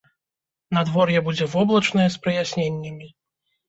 Надвор'е будзе воблачнае з праясненнямі.